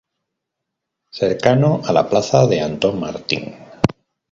Cercano a la Plaza de Antón Martín.